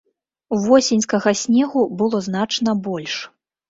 Восеньскага снегу было значна больш.